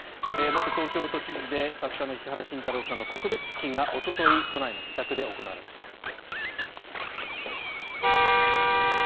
元東京都知事で作家の石原慎太郎さんの告別式が、おととい都内の自宅で行われました。